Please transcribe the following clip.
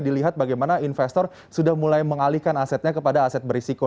dilihat bagaimana investor sudah mulai mengalihkan asetnya kepada aset berisiko